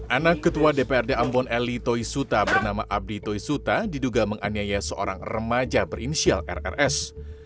anak ketua dprd ambon eli toisuta bernama abdi toisuta diduga menganiaya seorang remaja berinisial rrs